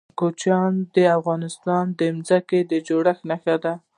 کوچیان د افغانستان د ځمکې د جوړښت نښه ده.